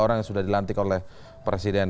orang yang sudah dilantik oleh presiden